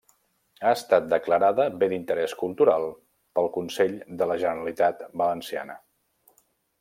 Ha estat declarada Bé d'Interés Cultural pel Consell de la Generalitat Valenciana.